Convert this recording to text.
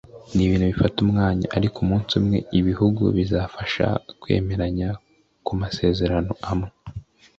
ni ibintu bifata umwanya ariko umunsi umwe ibihugu bizabasha kwemeranya ku masezerano amwe